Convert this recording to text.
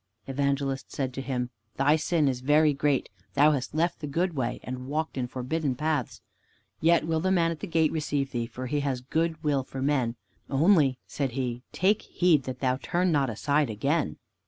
Evangelist said to him, "Thy sin is very great. Thou hast left the good way and walked in forbidden paths. Yet will the man at the gate receive thee, for he has good will for men. Only," said he, "take heed that thou turn not aside again."